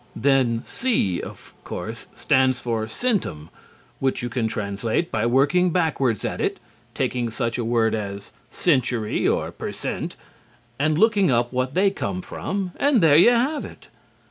Then "C," of course, stands for "centum," which you can translate by working backwards at it, taking such a word as "century" or "per cent," and looking up what they come from, and there you have it!